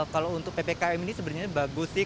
kalau untuk ppkm ini sebenarnya bagus sih